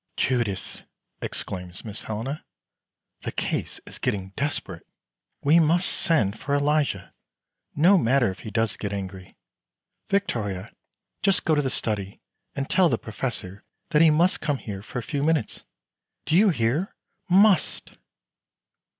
"Judith," exclaims Miss Helena, "the case is getting desperate. We must send for Elijah, no matter if he does get angry. Victoria, just go to the study, and tell the Professor that he must come here for a few minutes. Do you hear must!"